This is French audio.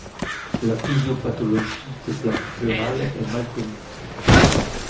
La physiopathologie des plaques pleurales est mal connue.